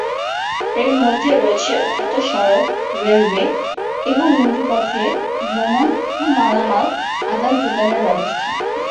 এর মধ্যে রয়েছে উন্নত সড়ক, রেলওয়ে এবং নদীপথে ভ্রমণ ও মালামাল আদান প্রদানের ব্যবস্থা।